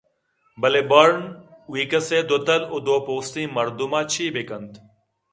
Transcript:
بلئے برن ویکس ءِ دوتل ءُدوپوستیں مردم ءَچے بہ کنت